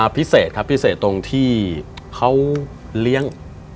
พิเศษครับพิเศษตรงที่เขาเลี้ยง